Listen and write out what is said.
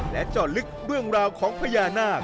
และเจาะลึกเรื่องราวของพญานาค